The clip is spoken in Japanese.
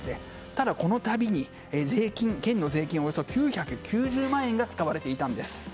ただ、この旅に県の税金およそ９９０万円が使われていたんです。